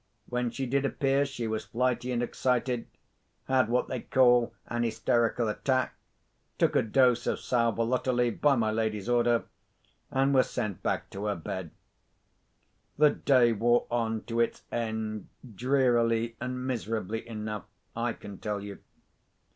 When she did appear, she was flighty and excited, had what they call an hysterical attack, took a dose of sal volatile by my lady's order, and was sent back to her bed. The day wore on to its end drearily and miserably enough, I can tell you.